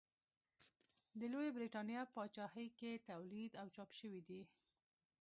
د لویې برېتانیا پاچاهۍ کې تولید او چاپ شوي دي.